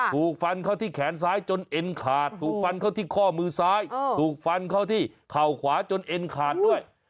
ถูกฟันเข้าที่แขนซ้ายจนเอ็นขาดถูกฟันเข้าที่ข้อมือซ้ายถูกฟันเข้าที่เข่าขวาจนเอ็นขาดด้วย